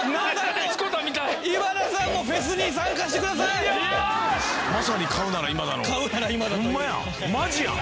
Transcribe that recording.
今田さんもフェスに参加してください！ホンマやん。